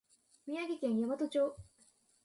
宮城県大和町